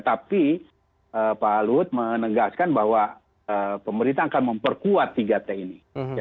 tapi pak luhut menegaskan bahwa pemerintah akan memperkuat tiga t ini